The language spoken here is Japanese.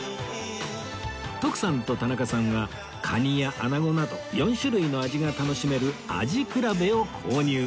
徳さんと田中さんは蟹や穴子など４種類の味が楽しめる味くらべを購入